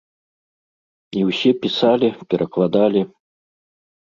І ўсе пісалі, перакладалі.